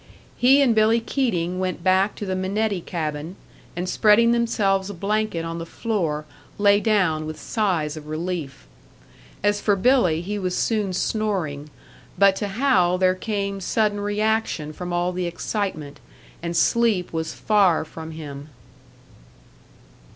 He and Billy Keating went back to the Minetti cabin, and spreading themselves a blanket on the floor, lay down with sighs of relief. As for Billy, he was soon snoring; but to Hal there came sudden reaction from all the excitement, and sleep was far from him.